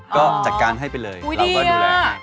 ก็จัดการให้ไปเลยเราก็ดูแลให้